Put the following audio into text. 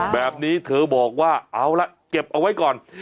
แบบนี้เธอบอกว่าเอาละเก็บเอาไว้ก่อน